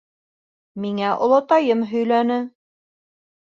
— Миңә олатайым һөйләне.